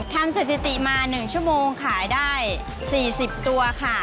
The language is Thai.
ทำสถิติมา๑ชั่วโมงขายได้๔๐ตัวค่ะ